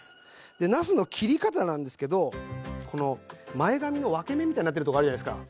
でなすの切り方なんですけどこの前髪の分け目みたいになってるとこあるじゃないですか。